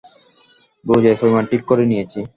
ডোজের পরিমাণ ঠিক করে নিয়েছি।